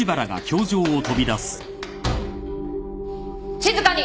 静かに。